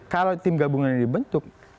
kalau tim gabungan dibentuk